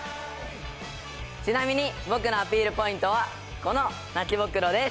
ちなみに僕のアピールポイントはこの泣きぼくろです。